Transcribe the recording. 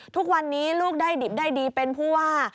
ทุกวันนี้ลูกได้ดิบได้ดีเป็นผู้ว่า